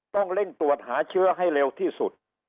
ต้องเร่งตรวจหาเชื้อให้เร็วที่สุด